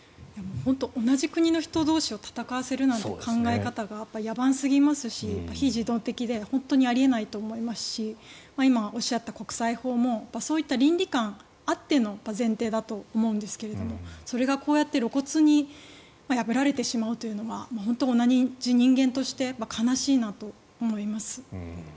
本当に同じ国の人同士を戦わせるなんていう考え方が野蛮すぎますし、非人道的であり得ないと思いますし今、おっしゃった国際法もそういった倫理観あっての前提だと思うんですけどもそれがこうやって露骨に破られてしまうというのは本当に同じ人間として悲しいなと思います。